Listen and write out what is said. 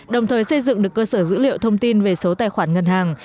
đồng thời xây dựng được cơ sở dữ liệu thông tin về số tài khoản ngân hàng